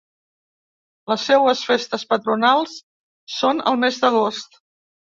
Les seues festes patronals són al mes d'agost.